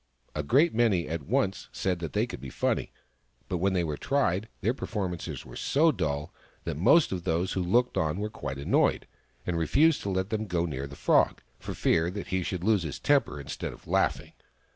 A great many at once said that they could be funny ; but when they were tried, their performances were so dull that most of those who looked on were quite annoyed, and refused to let them go near the Frog, for fear he should lose his temper instead of laughing.